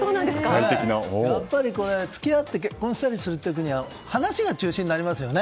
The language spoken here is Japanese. やっぱり付き合って結婚したりする時には話が中心になりますよね。